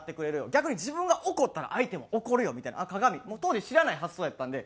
逆に自分が怒ったら相手も怒るよみたいな鏡当時知らない発想やったんで。